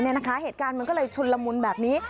เหตุการณ์มันก็เลยชุนละมุนแบบนี้